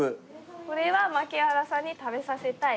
これは槙原さんに食べさせたい。